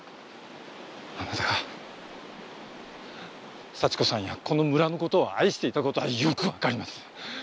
あなたが幸子さんやこの村の事を愛していた事はよくわかります。